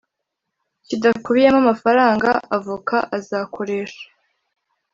Kidakubiyemo amafaranga avoka azakoresha